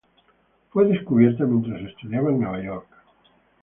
Fue descubierta mientras estudiaba en Nueva York.